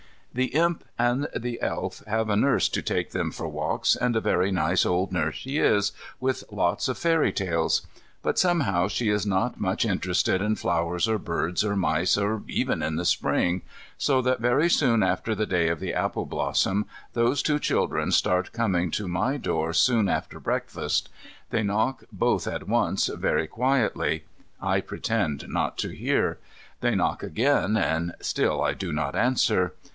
The Imp and the Elf have a nurse to take them for walks, and a very nice old nurse she is, with lots of fairy tales. But somehow she is not much interested in flowers, or birds, or mice, or even in the Spring, so that very soon after the day of the apple blossom those two children start coming to my door soon after breakfast. They knock both at once very quietly. I pretend not to hear. They knock again, and still I do not answer.